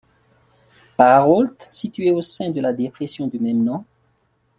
Baraolt situé au sein de la dépression du même nom.